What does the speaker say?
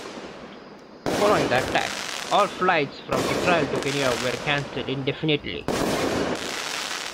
Following the attack, all flights from Israel to Kenya were cancelled indefinitely.